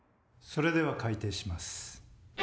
それでは開廷します。